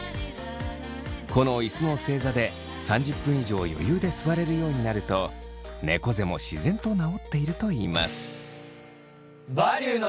この椅子の正座で３０分以上余裕で座れるようになるとねこ背も自然と治っているといいます。